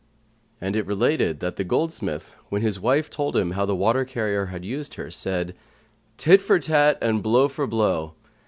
And it related that the goldsmith, when his wife told him how the water carrier had used her, said, "Tit for tat, and blow for blow!